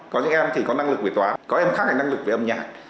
có những em thì có năng lực về tóa có em khác thì năng lực về âm nhạc